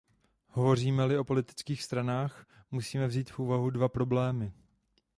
Hovoříme-li o politických stranách, musíme vzít v úvahu dva problémy.